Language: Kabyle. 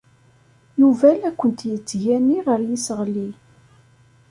Yuba la kent-yettgani ɣer yiseɣli.